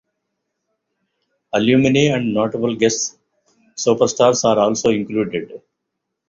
Alumni and notable guest superstars are also included.